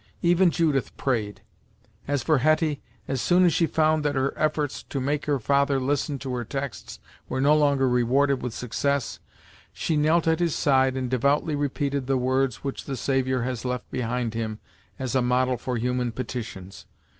Even Judith prayed. As for Hetty, as soon as she found that her efforts to make her father listen to her texts were no longer rewarded with success, she knelt at his side and devoutly repeated the words which the Saviour has left behind him as a model for human petitions.